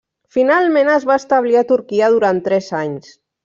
Finalment es va establir a Turquia durant tres anys.